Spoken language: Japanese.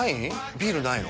ビールないの？